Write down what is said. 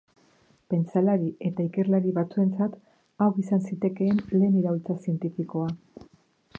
Pentsalari eta ikerlari batzuentzat hau izan zitekeen lehen iraultza zientifikoa.